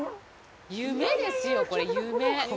夢ですよ、これ。